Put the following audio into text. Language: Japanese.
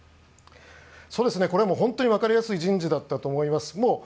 これは本当に分かりやすい人事だったと思います。